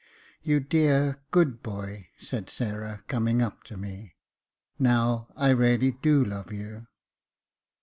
*' You dear, good boy," said Sarah, coming up to me. " Now, I really do love you."